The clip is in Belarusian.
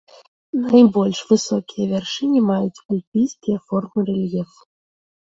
Найбольш высокія вяршыні маюць альпійскія формы рэльефу.